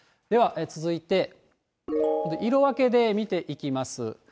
では続いて、色分けで見ていきます。